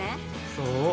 そう。